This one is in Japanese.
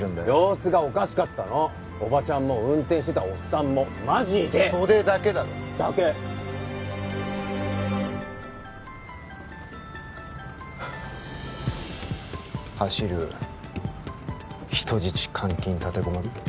様子がおかしかったのおばちゃんも運転してたおっさんもマジで袖だけだろだけ走る人質監禁立てこもり？